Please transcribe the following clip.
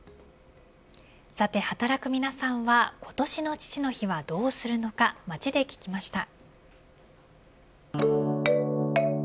さて働く皆さんは今年の父の日はどうするのか街で聞きました。